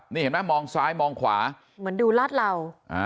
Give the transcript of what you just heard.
นี่เห็นไหมมองซ้ายมองขวาเหมือนดูลาดเหล่า